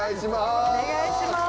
お願いします。